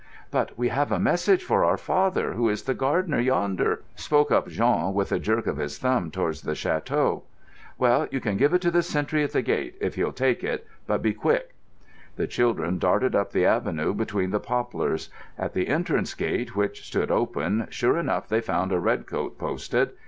"But we have a message for our father, who is the gardener yonder," spoke up Jean, with a jerk of his thumb towards the château. "Well, you can give it to the sentry at the gate, if he'll take it. But be quick!" The children darted up the avenue between the poplars. At the entrance gate, which stood open, sure enough they found a red coat posted.